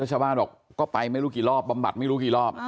ชาวบ้านบอกก็ไปไม่รู้กี่รอบบำบัดไม่รู้กี่รอบ